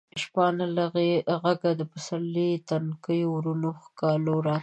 د شپانه له غږه د پسرلي د تنکیو ورویو ښکالو راتله.